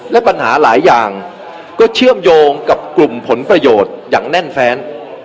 และปัญหาหลายอย่างก็เชื่อมโยงกับกลุ่มผลประโยชน์อย่างแน่นแฟน